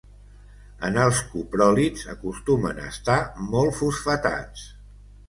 En els copròlits acostumen a estar molt fosfatats.